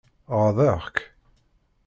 Ɣaḍeɣ-k?